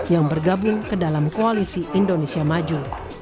yang bergabung ke dalam koalisi indonesia maju